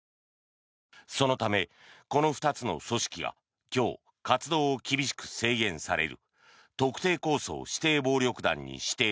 そのため、この２つの組織が今日活動を厳しく制限される。